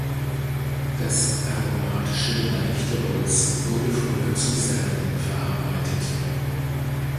Das aromatische, leichte Holz würde früher zu Särgen verarbeitet.